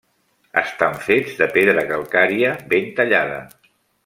Estan fets de pedra calcària ben tallada.